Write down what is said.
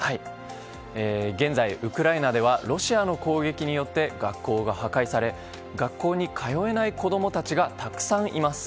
現在、ウクライナではロシアの攻撃によって学校が破壊され学校に通えない子供たちがたくさんいます。